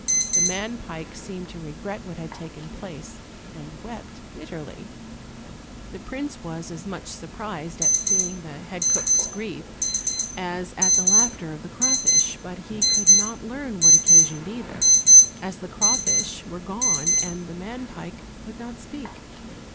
The man pike seemed to regret what had taken place, and wept bitterly. The prince was as rauQh surprised at seeing the bead* 298 OLD, OLD FAIRY TALES. cook's grief as at the laughter of the crawfish; but he could not learn what occasioned either, as the crawfish were gone and the man pike could not speak.